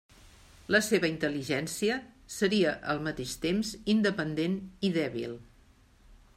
La seva intel·ligència seria al mateix temps independent i dèbil.